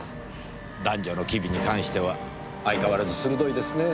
男女の機微に関しては相変わらず鋭いですねぇ。